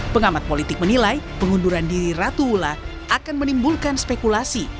pengamat politik menilai pengunduran diri ratu ulla akan menimbulkan spekulasi